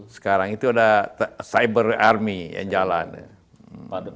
sekarang itu ada cyber army yang jalan